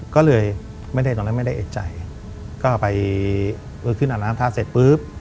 ก็เลยไม่ได้ตอนนั้นไม่ได้เอกใจก็ไปเออขึ้นอาบน้ำท่าเสร็จปุ๊บ